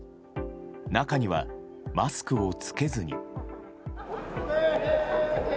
中には、マスクを着けずに。